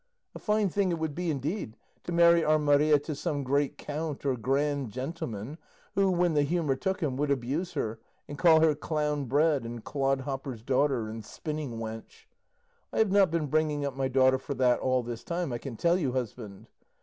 A fine thing it would be, indeed, to marry our Maria to some great count or grand gentleman, who, when the humour took him, would abuse her and call her clown bred and clodhopper's daughter and spinning wench. I have not been bringing up my daughter for that all this time, I can tell you, husband.